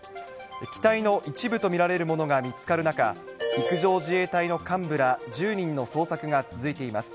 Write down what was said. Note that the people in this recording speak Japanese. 機体の一部と見られるものが見つかる中、陸上自衛隊の幹部ら１０人の捜索が続いています。